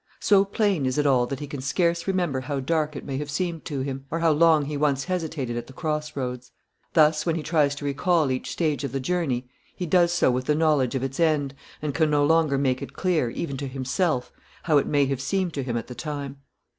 So plain is it all that he can scarce remember how dark it may have seemed to him, or how long he once hesitated at the cross roads. Thus when he tries to recall each stage of the journey he does so with the knowledge of its end, and can no longer make it clear, even to himself, how it may have seemed to him at the time.